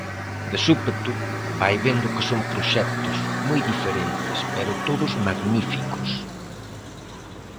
De súpeto, vai vendo que son proxectos moi diferentes, pero todos magníficos.